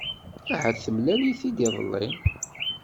Ahat temlal-it-id iḍelli.